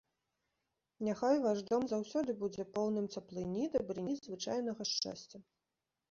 Няхай ваш дом заўсёды будзе поўным цеплыні, дабрыні, звычайнага шчасця.